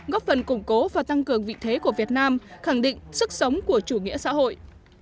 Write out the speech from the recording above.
góp phần củng cố và tăng cường vị thế của việt nam khẳng định sức sống của chủ nghĩa xã hội